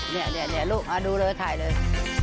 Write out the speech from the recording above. เนี่ยลูกมาดูเลยถ่ายเลย